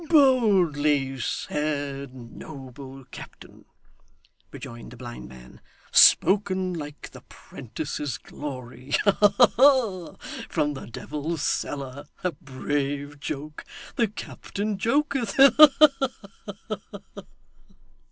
'Boldly said, noble captain!' rejoined the blind man. 'Spoken like the 'Prentices' Glory. Ha, ha! From the devil's cellar! A brave joke! The captain joketh. Ha, ha, ha!